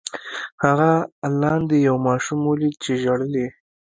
هغه لاندې یو ماشوم ولید چې ژړل یې.